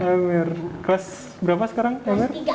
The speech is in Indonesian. emir kelas berapa sekarang emir